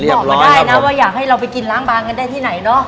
บอกมาได้นะว่าอยากให้เราไปกินล้างบางกันได้ที่ไหนเนาะ